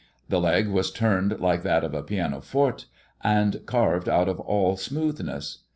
The leg was turned like that of a pianoforte, and carved out of all smoothness.